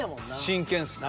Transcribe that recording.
真剣っすね。